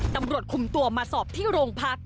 ตำรวจคุมตัวมาสอบที่โรงพัก